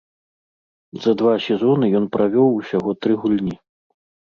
За два сезоны ён правёў усяго тры гульні.